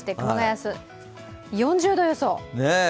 明日４０度予想。